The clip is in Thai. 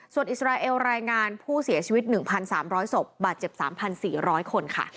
ส่วนอิสราเอลรายงานผู้เสียชีวิต๑๓๐๐ศพบาดเจ็บ๓๔๐๐คนค่ะ